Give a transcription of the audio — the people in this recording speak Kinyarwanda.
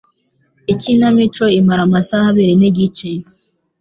Ikinamico imara amasaha abiri nigice.